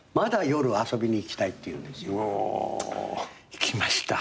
行きました。